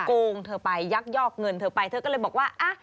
โกงเธอไปยักยอกเงินเธอไปเธอก็เลยบอกว่า